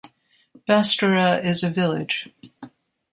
Bastora is a village.